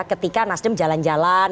ketika nasdem jalan jalan